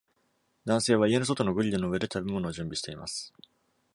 男性は家の外のグリルの上で食べ物を準備しています。